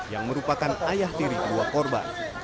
yang merupakan ayah tiri kedua korban